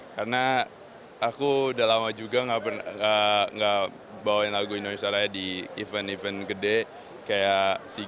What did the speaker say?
karena aku udah lama juga nggak pernah nggak bawain lagu indonesia raya di event event gede kayak sea